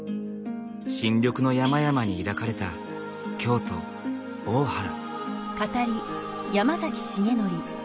新緑の山々に抱かれた京都・大原。